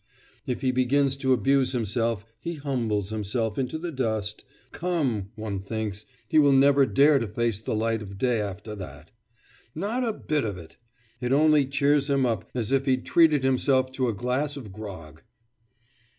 If he begins to abuse himself, he humbles himself into the dust come, one thinks, he will never dare to face the light of day after that. Not a bit of it! It only cheers him up, as if he'd treated himself to a glass of grog.